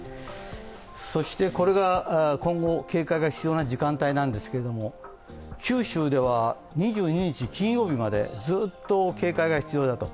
そして、今後警戒が必要な時間帯なんですけれども、九州では２２日金曜日までずっと警戒が必要だと。